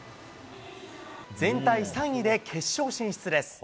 全体３位で決勝進出です。